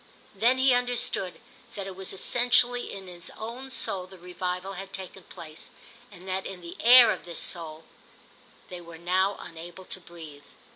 Then he understood that it was essentially in his own soul the revival had taken place, and that in the air of this soul they were now unable to breathe.